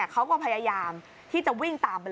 เขาก็พยายามที่จะวิ่งตาม